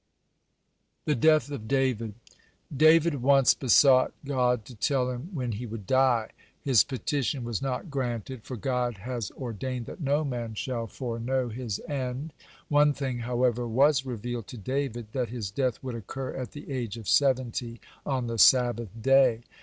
(124) THE DEATH OF DAVID David once besought God to tell him when he would die. His petition was not granted, for God has ordained that no man shall foreknow his end. One thing, however, was revealed to David, that his death would occur at the age of seventy on the Sabbath day.